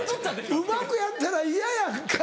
うまくやったら嫌やんか。